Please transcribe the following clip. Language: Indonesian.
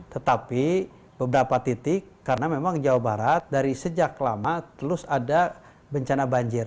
tetapi beberapa titik karena memang jawa barat dari sejak lama terus ada bencana banjir